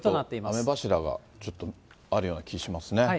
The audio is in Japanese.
雨柱がちょっとあるような気がしますね。